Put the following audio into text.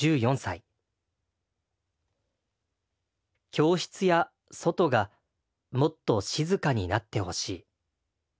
「教室や外がもっと静かになってほしい。